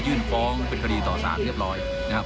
ยื่นฟ้องเป็นคดีต่อสารเรียบร้อย